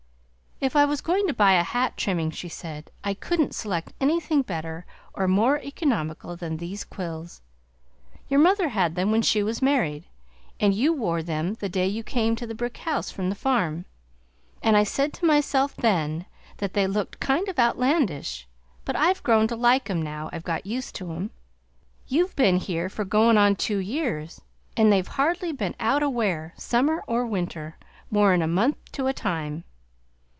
"If I was going to buy a hat trimming," she said, "I couldn't select anything better or more economical than these quills! Your mother had them when she was married, and you wore them the day you come to the brick house from the farm; and I said to myself then that they looked kind of outlandish, but I've grown to like em now I've got used to em. You've been here for goin' on two years and they've hardly be'n out o'wear, summer or winter, more'n a month to a time!